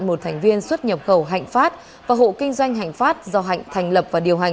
một thành viên xuất nhập khẩu hạnh phát và hộ kinh doanh hạnh phát do hạnh thành lập và điều hành